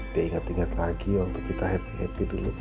diinget inget lagi waktu kita happy happy dulu